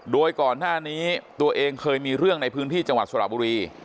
โดยก่อนหน้านี้ตัวเองเคยมีเรื่องในพื้นที่จังหวัดสระบุรี